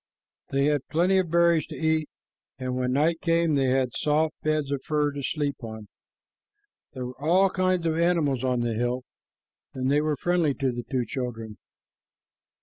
They had plenty of berries to eat, and when night came, they had soft beds of fir to sleep on. There were all kinds of animals on the hill, and they were friendly to the two children.